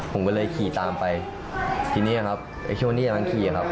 ผมก็เลยขี่ตามไปทีนี้อ่ะครับช่วงที่อย่างนั้นขี่อ่ะครับ